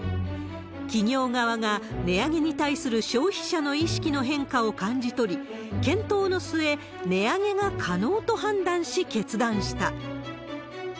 企業側が値上げに対する消費者の意識の変化を感じ取り、検討の末、値上げが可能と判断し、決断した。